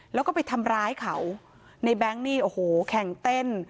แล้วก็ไปทำร้ายเขาในแบงค์นี่โอ้โหแข่งเต้น